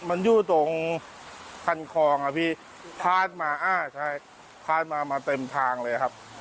มันอยู่ตรงคันคลองอ่ะพี่พาดมาอ่าใช่พาดมามาเต็มทางเลยครับ